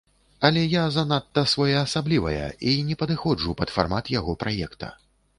Але я занадта своеасаблівая і не падыходжу пад фармат яго праекта.